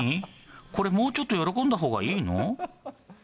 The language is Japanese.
これもうちょっと喜んだほうがいいの？